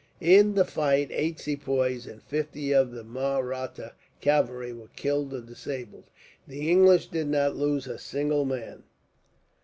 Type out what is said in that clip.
In the fight, eight Sepoys and fifty of the Mahratta cavalry were killed or disabled. The English did not lose a single man.